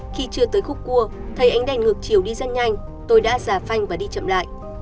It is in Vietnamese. khi chưa tới khúc cua thấy ánh đèn ngược chiều đi rất nhanh tôi đã giả phanh và đi chậm lại